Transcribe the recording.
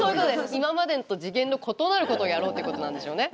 今までと次元の異なることをやろうということなんでしょうね。